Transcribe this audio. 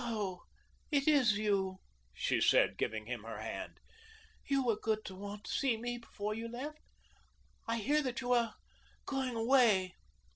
"Oh, it is you," she said, giving him her hand. "You were good to want to see me before you left. I hear that you are going away."